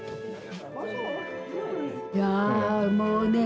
いやもうね